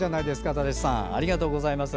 高橋さん、ありがとうございます。